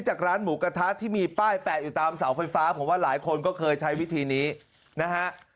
จากร้านหมูกระทะที่มีป้ายแปะอยู่ตามเสาไฟฟ้าผมว่าหลายคนก็เคยใช้วิธีนี้นะฮะ